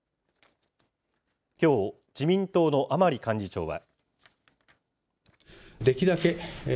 きょう、自民党の甘利幹事長は。